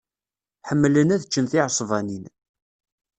Ḥemmlen ad ččen tiɛesbanin.